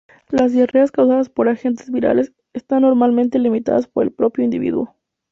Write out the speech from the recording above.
Las diarreas causadas por agentes virales están normalmente limitadas por el propio individuo.